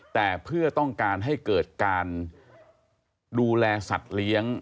แต่เพื่อต้องการให้เกิดการดูแลสัตว์เลี้ยง